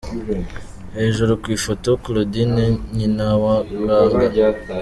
Hejuru ku ifoto : Claudine Nyinawagaga.